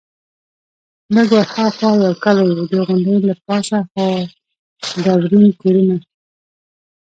لږ ورهاخوا یو کلی وو، د غونډۍ له پاسه څو ډبرین کورونه.